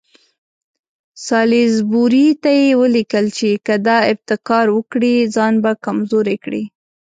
سالیزبوري ته یې ولیکل چې که دا ابتکار وکړي ځان به کمزوری کړي.